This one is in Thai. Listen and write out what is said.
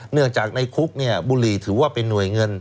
เนื่องจากในคุกบุหรี่ถือว่าเป็นหน่วยเงิน